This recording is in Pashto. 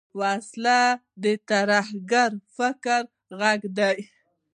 وسله د ترهګر فکر غږ ده